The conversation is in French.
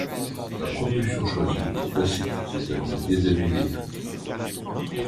La propulsion choisie est classique, c'est-à-dire diesel-électrique.